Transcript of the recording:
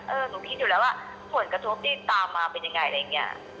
หนูคิดอยู่แล้วว่าผลกระทบที่ตามมาเป็นยังไงอะไรอย่างนี้